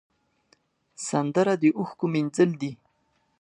سندره د اوښکو مینځل دي